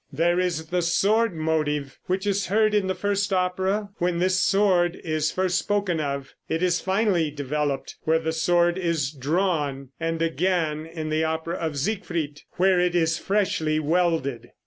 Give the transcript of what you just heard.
There is the "sword motive," which is heard in the first opera, when this sword is first spoken of; it is finely developed where the sword is drawn, and again in the opera of "Siegfried," where it is freshly welded.